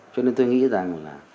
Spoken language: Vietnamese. cho nên tôi nghĩ rằng là